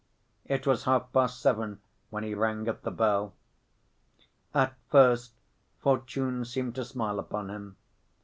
It was half‐past seven when he rang at the bell. At first fortune seemed to smile upon him.